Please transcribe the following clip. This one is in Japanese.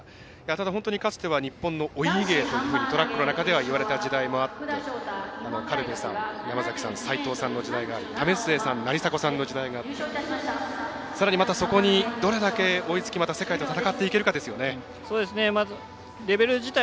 本当にかつては日本のお家芸というふうにトラックの中では言われた時代があって苅部さん、山崎さん、斎藤さんの時代があり、為末さん成迫さんの時代があってさらに、どれだけ追いつき世界と戦っていけるかということですよね。